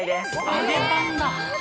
揚げパンだ。